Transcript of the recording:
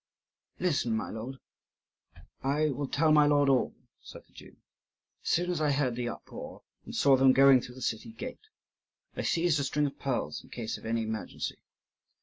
"Listen, my lord, I will tell my lord all," said the Jew. "As soon as I heard the uproar, and saw them going through the city gate, I seized a string of pearls, in case of any emergency.